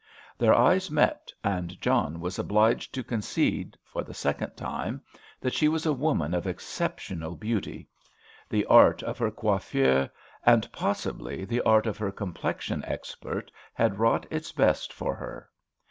Their eyes met, and John was obliged to concede, for the second time, that she was a woman of exceptional beauty. The art of her coiffeur, and, possibly, the art of her complexion expert, had wrought its best for her.